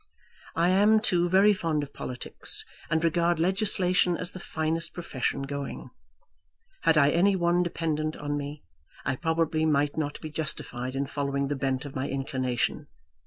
I am, too, very fond of politics, and regard legislation as the finest profession going. Had I any one dependent on me, I probably might not be justified in following the bent of my inclination.